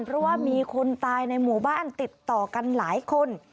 เพราะว่ามีคนตายในหมู่บ้านติดต่อกันหลายคน